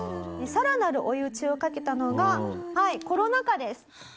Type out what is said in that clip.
さらなる追い打ちをかけたのがコロナ禍です。